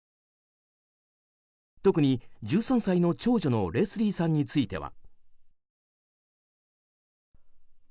特に１３歳の長女のレスリーさんについては。